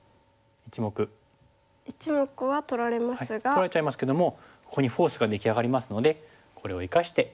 取られちゃいますけどもここにフォースが出来上がりますのでこれを生かして